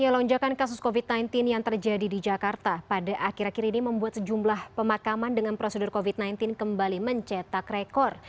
lonjakan kasus covid sembilan belas yang terjadi di jakarta pada akhir akhir ini membuat sejumlah pemakaman dengan prosedur covid sembilan belas kembali mencetak rekor